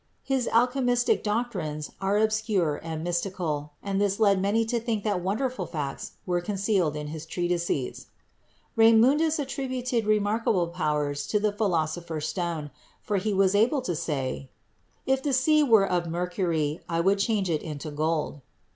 His alchemistic doctrines are obscure and mystical, and this led many to think that wonderful facts were concealed in his treatises. Raymundus attributed remarkable powers to the Phi losopher's Stone, for he was able to say, "If the sea were of mercury, I would change it into gold."